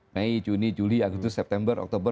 mei juni juli agustus september oktober